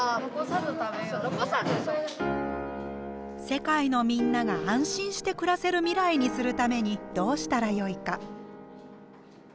世界のみんなが安心して暮らせる未来にするためにどうしたらよいか。